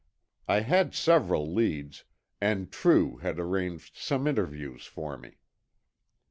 I had several leads, and True had arranged some interviews for me.